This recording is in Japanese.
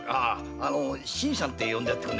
“新さん”って呼んでやってくれ。